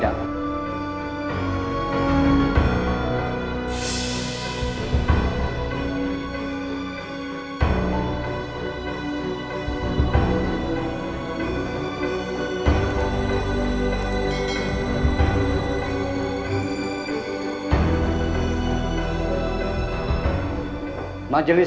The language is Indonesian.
dan memasuki ruang sidang